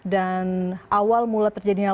dan awal mula terjadinya